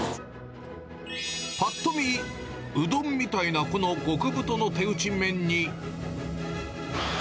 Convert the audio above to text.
ぱっと見、うどんみたいなこの極太の手打ち麺に。